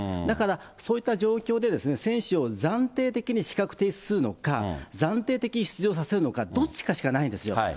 だから、そういった状況で選手を暫定的に資格停止するのか、暫定的に出場させるのか、どっちかしかないんですよ。